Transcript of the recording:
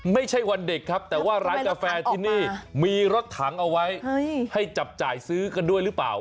ไม่ใช่วันเด็กครับแต่ว่าร้านกาแฟที่นี่มีรถถังเอาไว้ให้จับจ่ายซื้อกันด้วยหรือเปล่า